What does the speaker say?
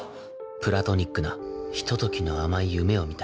プラトニックなひと時の甘い夢を見た